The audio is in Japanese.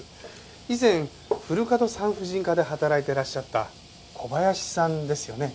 以前古門産婦人科で働いていらっしゃった小林さんですよね？